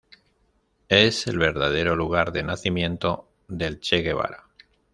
Es el verdadero lugar de nacimiento del Che Guevara.